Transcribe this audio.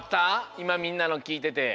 いまみんなのきいてて。